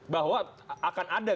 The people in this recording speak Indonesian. bahwa akan ada gerakan politik